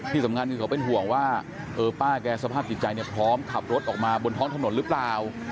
ที่สำคัญคือเขาเป็นห่วงว่าป้าแกสภาพจิตใจเนี่ยพร้อมขับรถออกมาบนท้องถนนหรือเปล่า